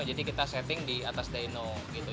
jadi kita setting di atas dyno gitu